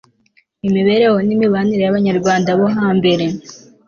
imibereho n'imibanire y'abanyarwanda bo hambere